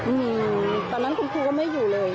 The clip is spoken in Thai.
อืมตอนนั้นคุณครูก็ไม่อยู่เลย